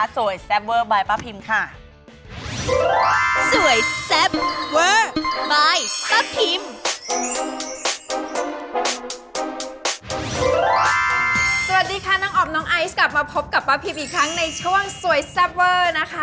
สวัสดีค่ะน้องออมน้องไอซ์กลับมาพบกับป้าพิมอีกครั้งในช่วงสวยแซ่บเวอร์นะคะ